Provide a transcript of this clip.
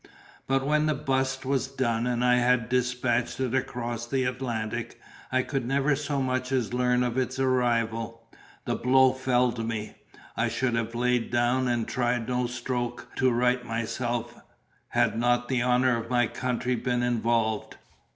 But when the bust was done, and I had despatched it across the Atlantic, I could never so much as learn of its arrival. The blow felled me; I should have lain down and tried no stroke to right myself, had not the honour of my country been involved.